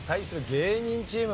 芸人チーム。